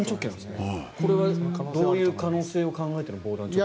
これはどういう可能性を考えての防弾チョッキですか？